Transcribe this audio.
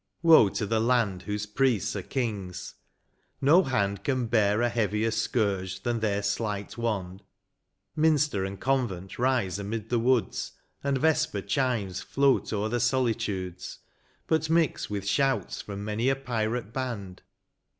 Woe to the land whose priests are kings ; no hand Can bear a heavier scourge than their slight wand ; Minster and convent rise amid the woods, And vesper chimes float o'er the solitudes. But mix with shouts fix)m many a pirate band.